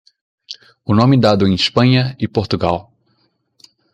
o nome dado em Espanha e Portugal